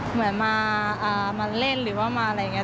เหมือนมาเล่นหรือว่ามาอะไรอย่างนี้